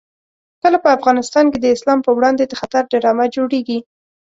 کله په افغانستان کې د اسلام په وړاندې د خطر ډرامه جوړېږي.